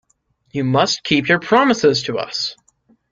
You must keep your promises to us!